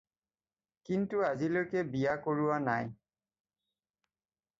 কিন্তু আজিলৈকে বিয়া কৰোৱা নাই।